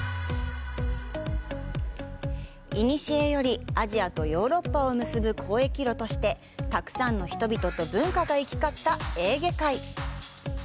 いにしえよりアジアとヨーロッパを結ぶ交易路としてたくさんの人々と文化が行き交ったエーゲ海。